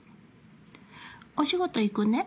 お仕事行くね。